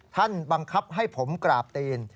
ท่านบังคับให้ผมกราบตีน